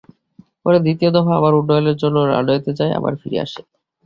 পরে দ্বিতীয় দফা আবার উড্ডয়নের জন্য রানওয়েতে যায়, আবার ফিরে আসে।